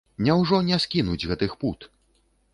Няўжо не скінуць гэтых пут?